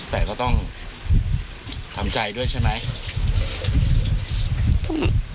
แต่ก็ต้องทำใจด้วยใช่ไหม